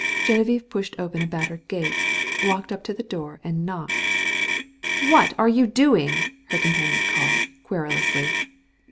Geneviève pushed open a battered gate, walked up to the door and knocked. "What are you doing?" her companion called, querulously.